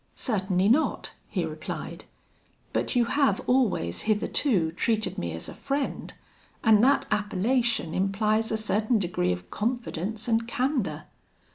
'Certainly not!' he replied; 'but you have always, hitherto, treated me as a friend, and that appellation implies a certain degree of confidence and candour.'